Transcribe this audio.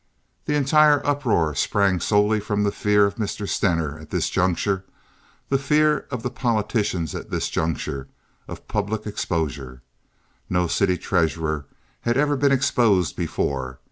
The entire uproar sprang solely from the fear of Mr. Stener at this juncture, the fear of the politicians at this juncture, of public exposure. No city treasurer had ever been exposed before.